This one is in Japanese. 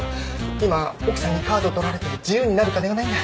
今奥さんにカード取られて自由になる金がないんだ。